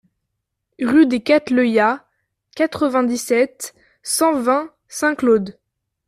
Rue des Cattleyas, quatre-vingt-dix-sept, cent vingt Saint-Claude